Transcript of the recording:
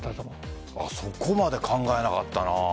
そこまで考えなかったな。